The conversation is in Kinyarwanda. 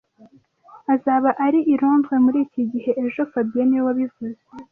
Azaba ari i Londres muri iki gihe ejo fabien niwe wabivuze